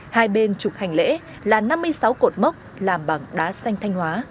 hai bên trục hành lễ là năm mươi sáu cột mốc làm bằng đá xanh thanh hóa